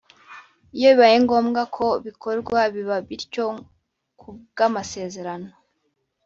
Iyo bibaye ngombwa ko bikorwa biba bityo ku bw’amasezerano